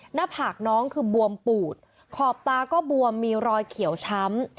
หน้าผากน้องคือบวมปูดขอบตาก็บวมมีรอยเขียวช้ำ